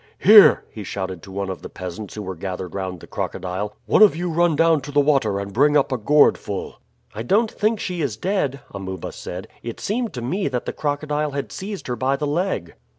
"Here," he shouted to one of the peasants who were gathered round the crocodile, "one of you run down to the water and bring up a gourdful." "I don't think she is dead," Amuba said. "It seemed to me that the crocodile had seized her by the leg."